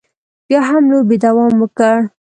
بیا هم لوبې دوام وکړ.